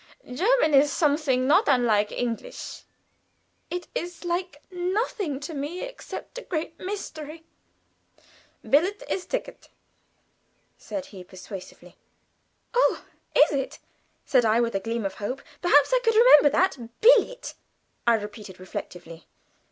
"German is sometimes not unlike English." "It is like nothing to me, except a great mystery." "Billet, is 'ticket,'" said he persuasively. "Oh, is it?" said I, with a gleam of hope. "Perhaps I could remember that. Billet," I repeated reflectively.